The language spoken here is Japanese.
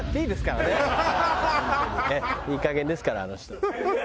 いいかげんですからあの人。